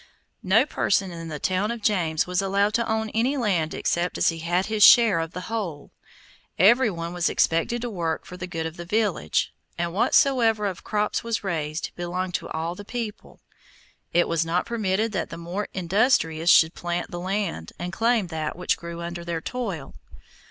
No person in the town of James was allowed to own any land except as he had his share of the whole. Every one was expected to work for the good of the village, and whatsoever of crops was raised, belonged to all the people. It was not permitted that the more industrious should plant the land and claim that which grew under their toil.